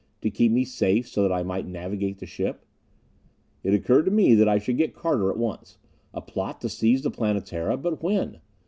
To keep me safe so that I might navigate the ship. It occurred to me that I should get Carter at once. A plot to seize the Planetara? But when?